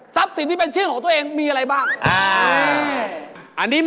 สินที่เป็นชื่อของตัวเองมีอะไรบ้าง